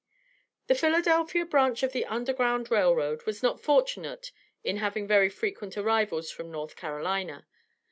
The Philadelphia branch of the Underground Rail Road was not fortunate in having very frequent arrivals from North Carolina.